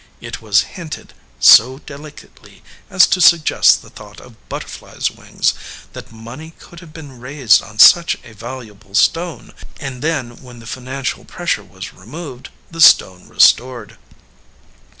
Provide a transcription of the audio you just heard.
It was hinted, so delicately as to suggest the thought of butterflies wings, that money could have been raised on such a valuable stone, and then, when the financial pressure was removed, the stone restored."